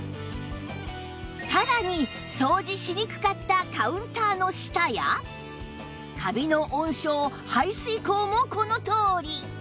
さらに掃除しにくかったカウンターの下やカビの温床排水口もこのとおり